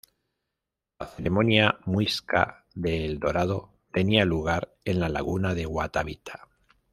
La ceremonia muisca de El Dorado tenía lugar en la Laguna de Guatavita.